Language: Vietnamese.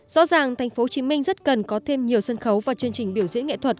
rõ ràng thành phố hồ chí minh rất cần có thêm nhiều sân khấu và chương trình biểu diễn nghệ thuật